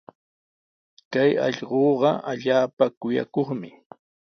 Kay allquuqa allaapa kuyakuqmi.